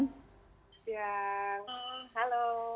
selamat siang halo